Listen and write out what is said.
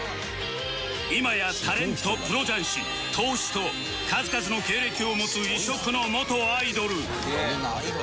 今やタレントプロ雀士投資と数々の経歴を持つ異色の元アイドル